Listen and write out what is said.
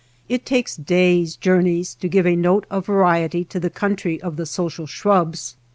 It takes days' jour neys to give a note of variety to the country of the social shrubs.